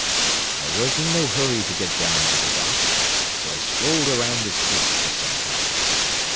I was in no hurry to get down to the dock, so I strolled around the streets for some time.